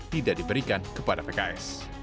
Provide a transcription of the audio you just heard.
tidak diberikan kepada pks